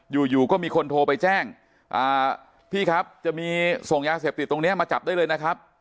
อยู่อยู่ก็มีคนโทรไปแจ้งพี่ครับจะมีส่งยาเสพติดตรงนี้มาจับได้เลยนะครับ